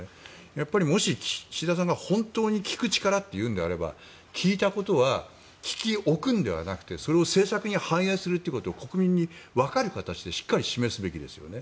やっぱり、もし岸田さんが本当に聞く力というのであれば聞いたことは聞き置くのではなくてそれを政策に反映することを国民にわかる形でしっかり示すべきですよね。